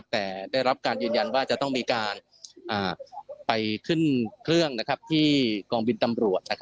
แต่ได้รับการยืนยันว่าจะต้องมีการไปขึ้นเครื่องที่กองบินตำรวจ